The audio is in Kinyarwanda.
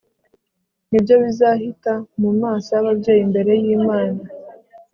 ni byo bizahita mu maso yababyeyi imbere yImana